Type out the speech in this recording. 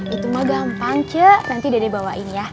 itu mah gampang ce nanti dede bawain ya